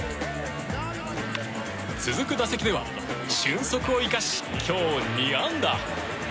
続く打席では俊足を生かし今日２安打。